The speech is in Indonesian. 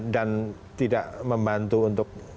dan tidak membantu untuk